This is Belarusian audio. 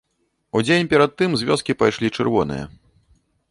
Удзень перад тым з вёскі пайшлі чырвоныя.